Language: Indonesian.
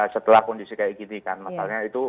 setelah kondisi kayak gini kan masalahnya itu